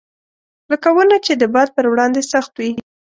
لکه ونه چې د باد پر وړاندې سخت وي.